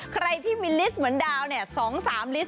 ใครที่มีลิสต์เหมือนดาว๒๓ลิสต์แบบนี้